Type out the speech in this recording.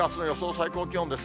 最高気温です。